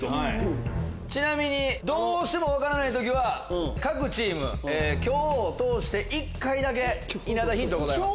ちなみにどうしても分からない時は各チーム今日を通して１回だけ稲田ヒントございます。